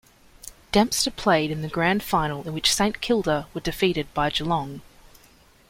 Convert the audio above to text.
Dempster played in the grand final in which Saint Kilda were defeated by Geelong.